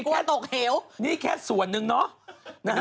กลัวตกเหลวนี่แค่ส่วนหนึ่งนะ